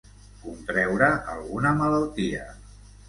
Contreure alguna malaltia.